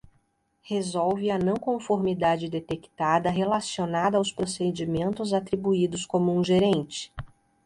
Resolve a não conformidade detectada relacionada aos procedimentos atribuídos como um gerente.